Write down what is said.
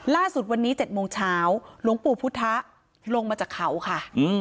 ล่าสุดวันนี้๗โมงเช้าหลวงปู่พุทธะลงมาจากเขาค่ะ